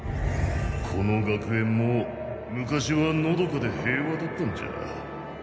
この学園も昔はのどかで平和だったんじゃ。